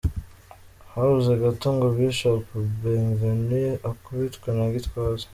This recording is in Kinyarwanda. Habuze gato ngo Bishop Bienvenue akubitwe na Gitwaza.